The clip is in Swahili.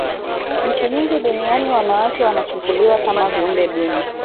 nchi nyingi duniani wanawake wanachukuliwa kama viumbe duni